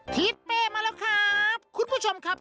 ทิศเป้มาแล้วครับคุณผู้ชมครับ